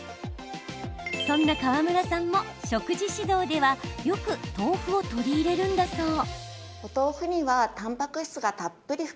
そんな河村さんも食事指導では、よく豆腐を取り入れるんだそう。